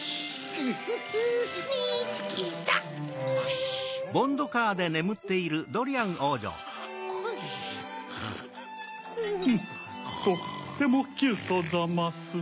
フッとってもキュートざます。